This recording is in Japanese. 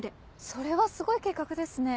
それはすごい計画ですね。